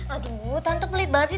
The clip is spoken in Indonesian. aduh tante pelit banget sih